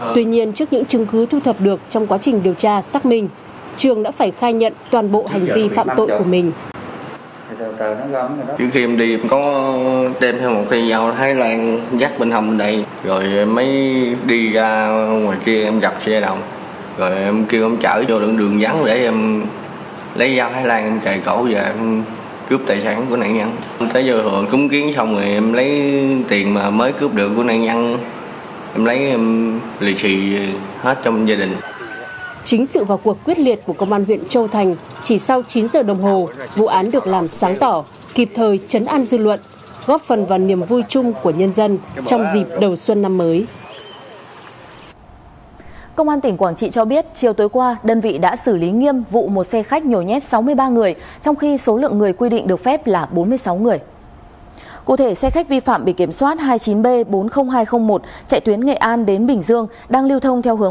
tuy nhiên trước những chứng cứ thu thập được trong quá trình điều tra phạm tội của mình trường đã phải khai nhận toàn bộ hành vi phạm tội của mình